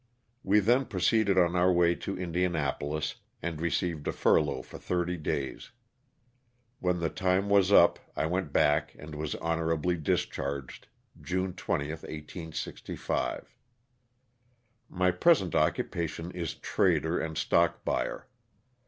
We then proceeded on our way to Indianapolis and received a furlough for thirty days. When the time was up I went back and was honorably discharged June 20, 1865. My present occupation is trader and stock buyer.